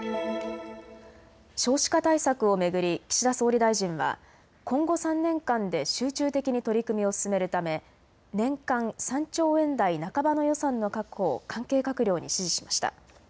少子化対策を巡り岸田総理大臣は今後３年間で集中的に取り組みを進めるため年間３兆円台半ばの予算の確保を関係閣僚に指示しました。